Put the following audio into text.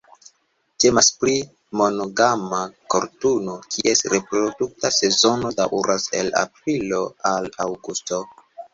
Temas pri monogama koturno, kies reprodukta sezono daŭras el aprilo al aŭgusto.